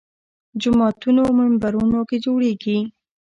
جوماتونو منبرونو کې جوړېږي